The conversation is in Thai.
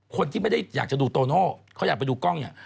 คนที่ไม่ได้อยากจะดูโตโน่เขาอยากไปดูกล้องเนี่ย